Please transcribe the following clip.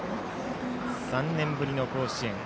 ３年ぶりの甲子園。